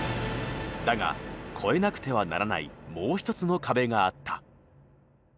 だが超えなくてはならないもう一つの壁があった。